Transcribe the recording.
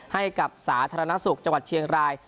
สาธารณสุขจังหวัดเชียงราย